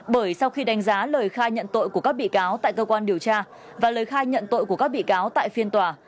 bởi sau khi đánh giá lời khai nhận tội của các bị cáo tại cơ quan điều tra và lời khai nhận tội của các bị cáo tại phiên tòa